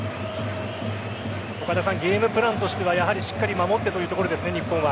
岡田さん、ゲームプランとしてはしっかり守ってというところですね日本は。